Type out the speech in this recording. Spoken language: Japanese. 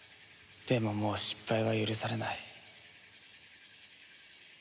でももう失敗は許されない。